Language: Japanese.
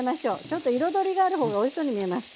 ちょっと彩りがある方がおいしそうに見えます。